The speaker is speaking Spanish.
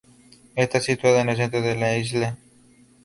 Está situada en el centro de la isla.